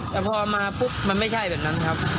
แต่พอมาปุ๊บมันไม่ใช่แบบนั้นครับ